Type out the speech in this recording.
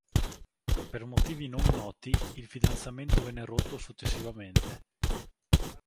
Per motivi non noti il fidanzamento venne rotto successivamente.